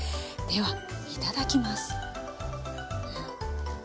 ではいただきます。